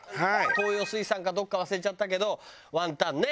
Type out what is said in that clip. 東洋水産かどこか忘れちゃったけどワンタンね。